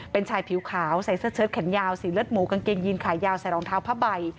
เป็นชายผิวขาวใส่เสื้อเชิดแขนยาวสีเลือดหมูกางเกงยีนขายาวใส่รองเท้าผ้าใบ